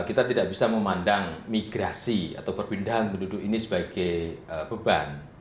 kita tidak bisa memandang migrasi atau perpindahan penduduk ini sebagai beban